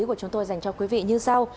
chúng tôi dành cho quý vị như sau